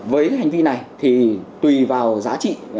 với hành vi này thì tùy vào giá trị